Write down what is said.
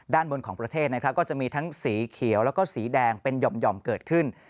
ด้านบนของประเทศนะครับก็จะมีทั้งสีเขียวแล้วก็สีแดงเป็นหย่อมเกิดขึ้น